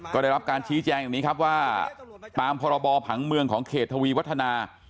ก็ได้รับการชี้แจงอย่างนี้ครับว่าตามพรบผังเมืองของเขตทวีวัฒนา